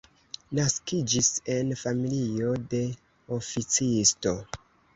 Naskiĝis en familio de oficisto.